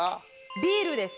ビールです。